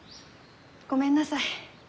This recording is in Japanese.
ごめんなさい。